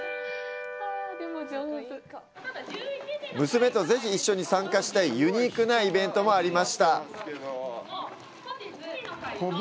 娘と、ぜひ一緒に参加したいユニークなイベントがありました。